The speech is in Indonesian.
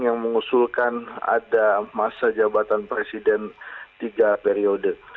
yang mengusulkan ada masa jabatan presiden tiga periode